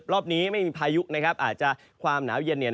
รอบนี้ไม่มีพายุอาจจะความหนาวเย็น